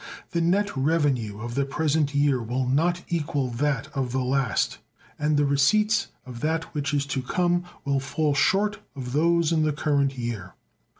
The net revenue of the present year will not equal that of the last, and the receipts of that which is to come will fall short of those in the current year.